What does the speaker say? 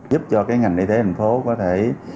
giúp cho ngành y tế thành phố có thể